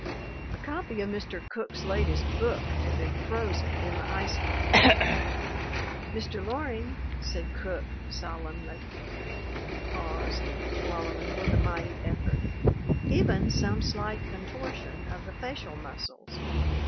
' A copy of Mr. Cook's latest book had been frozen in the ice cake. " 'Mr. Loring/ said Cook solemnly. He paused, MARY S. WATTS 191 swallowing with a mighty effort, even some slight con tortion of the facial muscles.